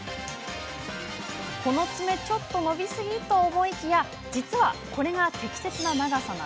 この爪、ちょっと伸びすぎ？と思いきや実はこれが適切な長さ。